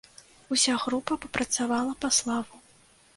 Уся група папрацавала па славу.